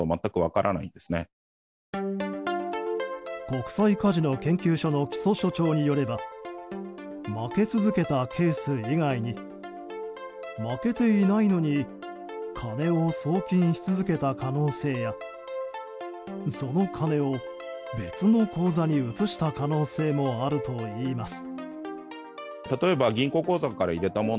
国際カジノ研究所の木曽所長によれば負け続けたケース以外に負けていないのに金を送金し続けた可能性やその金を別の口座に移した可能性もあるといいます。